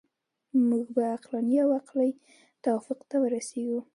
موږ به عقلاني او عقلایي توافق ته ورسیږو.